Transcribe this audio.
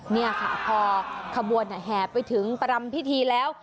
นี่ค่ะพอขบวนแห่ไปถึงประรำพิธีแล้ว